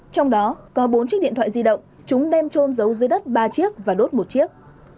trong đó có bốn chiếc điện thoại di động chúng đem trôn giấu dưới đất ba chiếc và đốt một chiếc